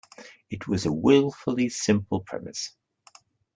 It was a wilfully simple premise.